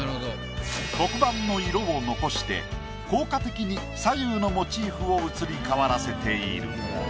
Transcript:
黒板の色を残して効果的に左右のモチーフを移り変わらせている。